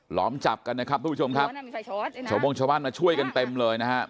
ล้อมจับกันนะครับทุกผู้ชมครับชาวโม่งชาวบ้านมาช่วยกันเต็มเลยนะครับ